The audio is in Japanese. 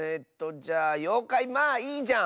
じゃあ「ようかいまあいいじゃん」！